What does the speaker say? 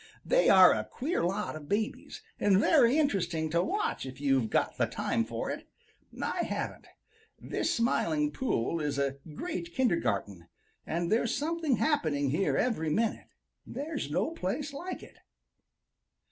"They are a queer lot of babies, and very interesting to watch if you've got the time for it. I haven't. This Smiling Pool is a great kindergarten, and there's something happening here every minute. There's no place like it."